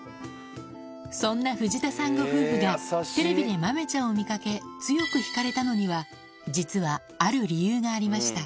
そんな藤田さんご夫婦がテレビで豆ちゃんを見掛け強く引かれたのには実はある理由がありました